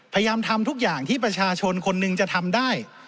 พยายามทำทุกอย่างที่ประชาชนคนหนึ่งจะทำได้